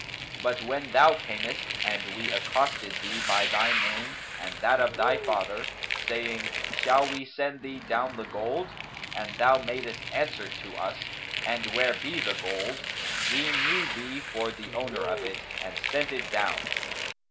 But, when thou camest and we accosted thee by thy name and that of thy father, saying, 'Shall we send thee down the gold?' and thou madest answer to us, 'And where be the gold?' we knew thee for the owner of it and sent it down.